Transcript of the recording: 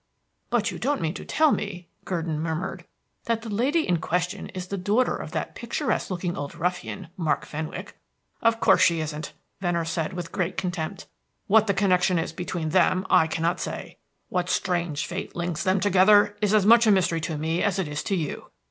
"But you don't mean to tell me," Gurdon murmured, "that the lady in question is the daughter of that picturesque looking old ruffian, Mark Fenwick?" "Of course, she isn't," Venner said, with great contempt. "What the connection is between them, I cannot say. What strange fate links them together is as much a mystery to me as it is to you.